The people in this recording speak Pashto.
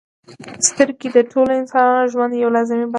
• سترګې د ټولو انسانانو ژوند یوه لازمي برخه ده.